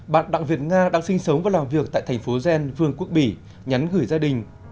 bạn đặng việt nga đang sinh sống và làm việc tại thành phố gen vương quốc bỉ nhắn gửi gia đình